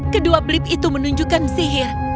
kedua blip itu menunjukkan sihir